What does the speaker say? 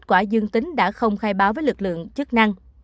quả dương tính đã không khai báo với lực lượng chức năng